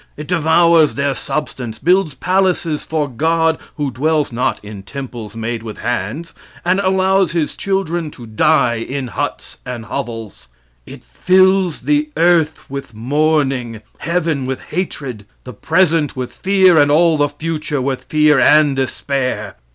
It devours their substance, builds palaces for God (who dwells not in temples made with hands), and allows His children to die in huts and hovels. It fills the earth with mourning, heaven with hatred, the present with fear, and all the future with fear and despair.